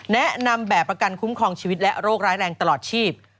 แนะนำแบบประกันคุ้มครองชีวิตและโรคร้ายแรงตลอดชีพ